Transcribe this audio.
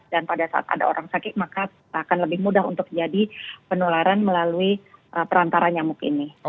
dan pada saat ada orang sakit maka akan lebih mudah untuk jadi penularan melalui perantara nyamuk ini